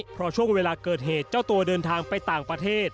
เพราะช่วงเวลาเกิดเหตุเจ้าตัวเดินทางไปต่างประเทศ